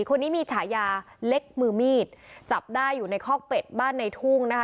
คนนี้มีฉายาเล็กมือมีดจับได้อยู่ในคอกเป็ดบ้านในทุ่งนะคะ